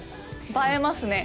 映えますね。